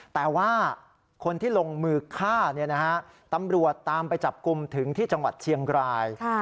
แต่ว่าคนที่ลงมือฆ่าตำรวจตามไปจับกลุ่มถึงที่จังหวัดเชียงราย